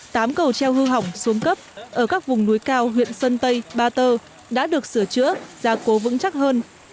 tám cầu treo hư hỏng xuống cấp ở các vùng núi cao huyện sơn tây ba tơ đã được sửa chữa gia cố vững chắc hơn